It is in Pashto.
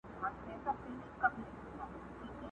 ستا د هجران په تبه پروت یم مړ به سمه،